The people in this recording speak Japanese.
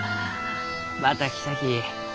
また来たき。